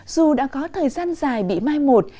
dù đã có thời gian dài bị mai một